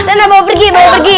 saya bawa pergi bawa pergi